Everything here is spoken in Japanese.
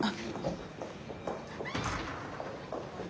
あっ。